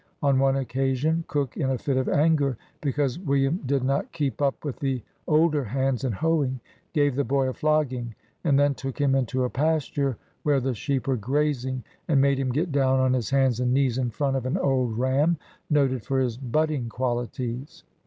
On one occa sion. Cook, in a fit of anger, because William did not AN AMERICAN BONDMAN. 13 keep up with the older hands in hoeing, gave the boy a flogging, and then took him into a pasture, where the sheep were grazing, and made him get down on his hands and knees in front of an old ram, noted for his butting qualities.